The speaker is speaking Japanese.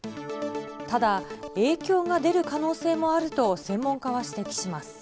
ただ、影響が出る可能性もあると専門家は指摘します。